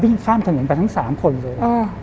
ข้ามถนนไปทั้ง๓คนเลย